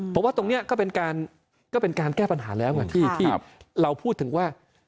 ผมว่าตรงนี้ก็เป็นการแก้ปัญหาแล้วไงที่เราพูดถึงว่า